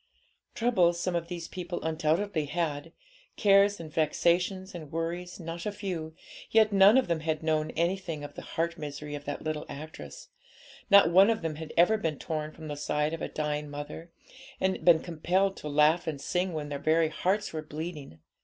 Troubles some of these people undoubtedly had, cares and vexations and worries not a few, yet none of them had known anything of the heart misery of that little actress; not one of them had ever been torn from the side of a dying mother, and been compelled to laugh and sing when their very hearts were bleeding.